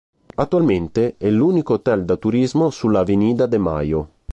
Attualmente, è l'unico hotel da turismo sulla Avenida de Mayo.